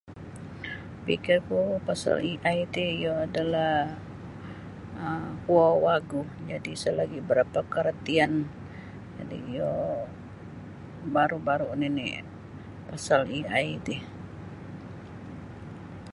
Fikirku pasal AI ti iyo adalah um kuo wagu jadi' isa lagi barapa' karatian jadi' iyo baru-baru' nini' pasal AI ti.